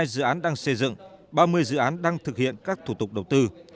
hai mươi dự án đang xây dựng ba mươi dự án đang thực hiện các thủ tục đầu tư